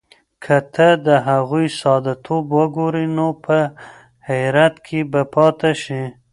که ته د هغوی ساده توب وګورې، نو په حیرت کې به پاتې شې.